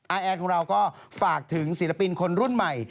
แอนของเราก็ฝากถึงศิลปินคนรุ่นใหม่